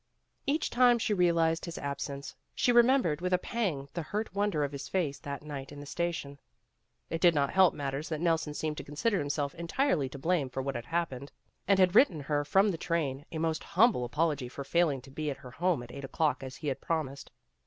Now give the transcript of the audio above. Each time she realized his absence she remembered with a pang the hurt wonder of his face that night in the station. It did not help matters that Nel son seemed to consider himself entirely to blame for what had happened, and had written her from the train a most humble apology for failing to be at her home at eight o'clock as he had promised.